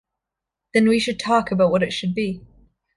Then we should talk about what it should be.